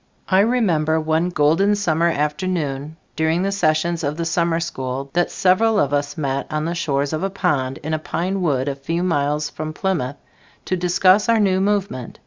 I remember on golden summer afternoon during the sessions of the summer school that several of us met on the shores of a pond in a pine wood a few miles from Plymouth, to discuss our new movement.